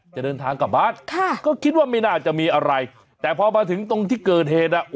จะเดินทางกลับบ้านค่ะก็คิดว่าไม่น่าจะมีอะไรแต่พอมาถึงตรงที่เกิดเหตุอ่ะ